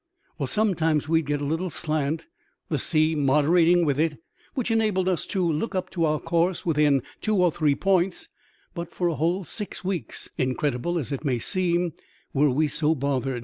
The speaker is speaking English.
Well, sometimes we'd get a little slant, the sea moderating with it, which enabled us to look up to our course within two or three points ; but for a whole six weeks, incredible as it may seem, were we so bothered, 46